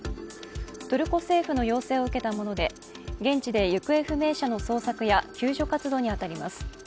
トルコ政府の要請を受けたもので現地で行方不明者の捜索や救助活動に当たります。